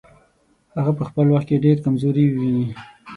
هغه په خپل وخت کې کمزوري وویني.